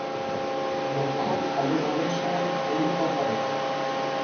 লক্ষণ অমন অনেক সময় ভুলও তো হয়।